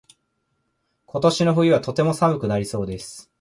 今年の冬はとても寒くなりそうです。